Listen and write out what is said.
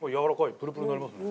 プルプルになりますね。